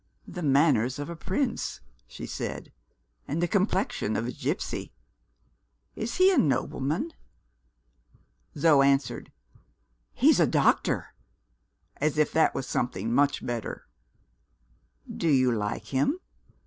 "The manners of a prince," she said, "and the complexion of a gipsy. Is he a nobleman?" Zo answered, "He's a doctor," as if that was something much better. "Do you like him?"